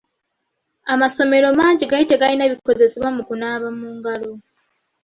Amasomero mangi gaali tegalina bikozesebwa mu kunaaba mu ngalo.